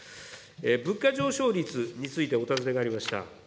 物価上昇率についてお尋ねがありました。